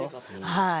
はい。